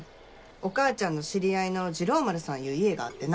お母ちゃんの知り合いの治郎丸さんいう家があってな